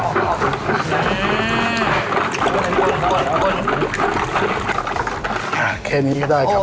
อ่าแค่นี้ก็ได้ครับผม